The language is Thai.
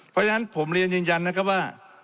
เพราะฉะนั้นผมเรียนยืนยันนะครับว่า